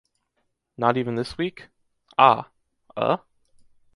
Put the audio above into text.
Not even this week. Ah? Uh...